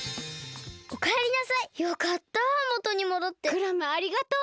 クラムありがとう！